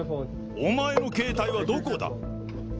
お前の携帯はどこだ？